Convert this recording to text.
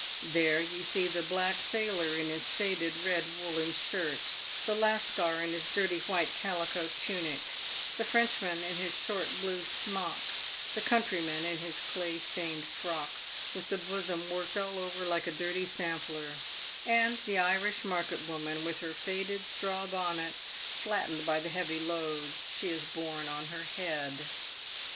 There you see the black sailor in his faded red woollen shirt ; the Lascar in his dirty white calico tunic ; the Frenchman in his short blue smock ; the countryman in his clay stained frock, with the bosom worked all over like a dirty sampler ; and the Irish market woman with her faded straw bonnet, flattened by the heavy loads she has borne on her head.